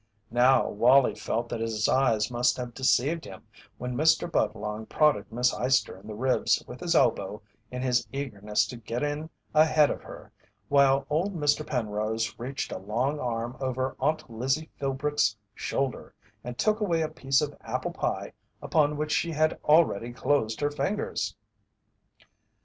Now Wallie felt that his eyes must have deceived him when Mr. Budlong prodded Miss Eyester in the ribs with his elbow in his eagerness to get in ahead of her, while old Mr. Penrose reached a long arm over Aunt Lizzie Philbrick's shoulder and took away a piece of apple pie upon which she already had closed her fingers.